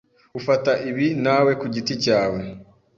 Ufata ibi nawe kugiti cyawe.